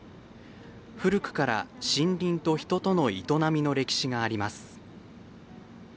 古くから森林と人との営みの歴史があります。